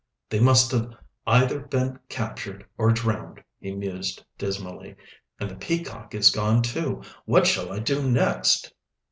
"They must have either been captured or drowned," he mused dismally. "And the Peacock is gone, too. What shall I do next?"